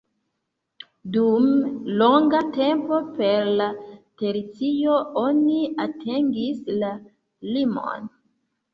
Dum longa tempo per la tercio oni atingis la limon.